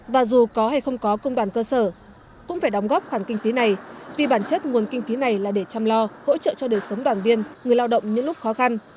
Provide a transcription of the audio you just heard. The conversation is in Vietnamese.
và dù có hay không có công đoàn cơ sở cũng phải đóng góp khoản kinh phí này vì bản chất nguồn kinh phí này là để chăm lo hỗ trợ cho đời sống đoàn viên người lao động những lúc khó khăn